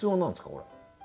これ。